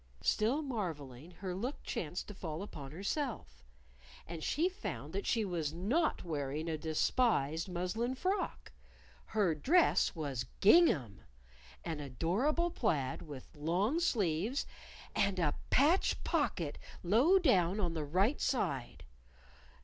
Still marveling, her look chanced to fall upon herself. And she found that she was not wearing a despised muslin frock! Her dress was gingham! an adorable plaid with long sleeves, and a patch pocket low down on the right side!